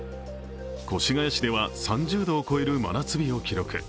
越谷市では３０度を超える真夏日を記録。